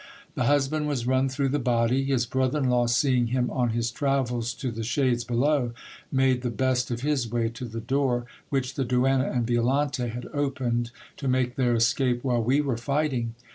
The husband was run through the body. His brother in law, seeing him on his travels to the shades below, made the best of his way to the door, which the duenna and Violante had opened, to make their escape while we were fighting.